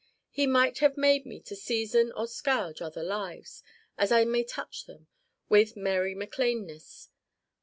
He might have made me to season or scourge other lives, as I may touch them, with Mary Mac Lane ness.